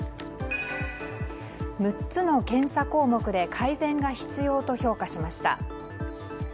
６つの検査項目で改善が必要と評価しました。